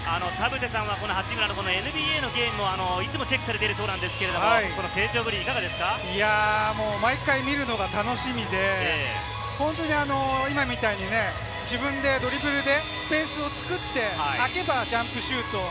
ＮＢＡのゲーム、いつもチェックされてるそうなんですが、成長ぶ毎回見るのが楽しみで、今みたいに自分でドリブルでスペースを作って空けばジャンプシュート。